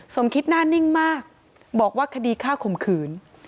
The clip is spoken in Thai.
สมคิดหน้านิ่งมากบอกว่าคดีฆ่าข่มขืน